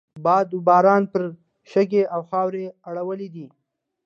باد و باران پرې شګې او خاورې اړولی دي.